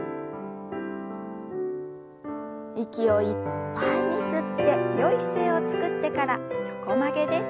息をいっぱいに吸ってよい姿勢をつくってから横曲げです。